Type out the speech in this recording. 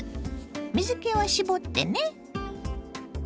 水けは絞ってね。